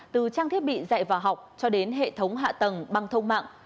từ trang thiết bị dạy và học cho đến hệ thống hạ tầng băng thông mạng